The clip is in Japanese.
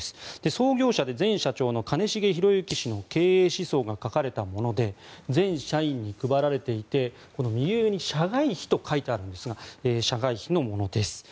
創業者で前社長の兼重宏行氏の経営思想が書かれたもので全社員に配られていて右上に社外秘と書かれていますが社外秘のものです。